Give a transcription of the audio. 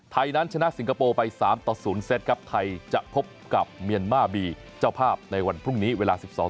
ไทยนั้นชนะสิงคโปร์ไป๓ต่อ๐เซตครับไทยจะพบกับเมียนมาร์บีเจ้าภาพในวันพรุ่งนี้เวลา๑๒นาที